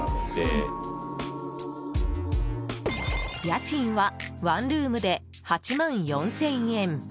家賃はワンルームで８万４０００円。